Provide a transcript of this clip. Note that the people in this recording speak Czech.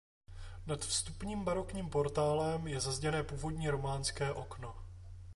Nad vstupním barokním portálem je zazděné původní románské okno.